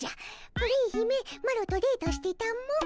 プリン姫マロとデートしてたも。